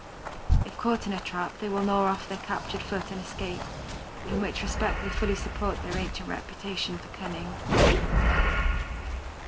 If caught in a trap, they will gnaw off the captured foot and escape, in which respect they fully support their ancient reputation for cunning.